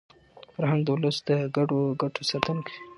فرهنګ د ولس د ګډو ګټو ساتنه کوي.